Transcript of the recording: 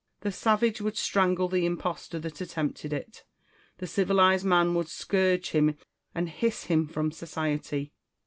The savage would strangle the impostor that attempted it; the civilised man would scourge him and liiss him from society.